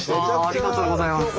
ありがとうございます。